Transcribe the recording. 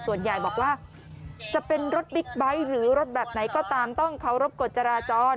ส่วนใหญ่บอกว่าจะเป็นรถบิ๊กไบท์หรือรถแบบไหนก็ตามต้องเคารพกฎจราจร